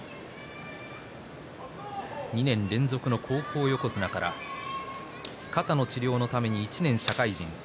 ２年連続の高校横綱から肩の治療のために１年社会人。